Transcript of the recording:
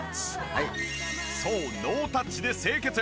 そうノータッチで清潔！